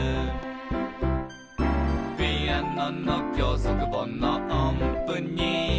「ピアノのきょうそくぼんのおんぷに」